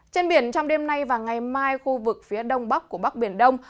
trên biển trong đêm nay và ngày mai khu vực phía đông bắc của bắc biển đông